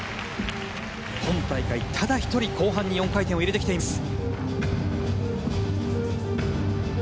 今大会ただ１人、後半に４回転を入れてきています。